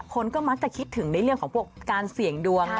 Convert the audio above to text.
คนก็มักจะคิดถึงในเรื่องของพวกการเสี่ยงดวง